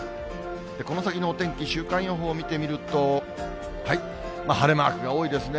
この先のお天気、週間予報見てみると、晴れマークが多いですね。